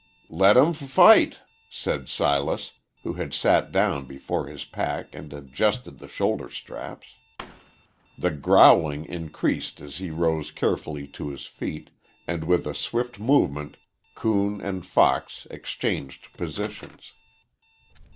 "Let 'em f fight," said Silas, who had sat down before his pack and adjusted the shoulder straps. The growling increased as he rose carefully to his feet, and with a swift movement coon and fox exchanged positions.